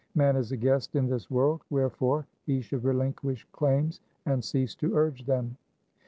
Man is a guest in this world. Wherefore he should relinquish claims and cease to urge them.